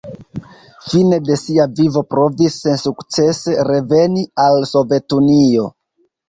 Fine de sia vivo provis sensukcese reveni al Sovetunio.